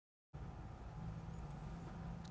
tháng công nhân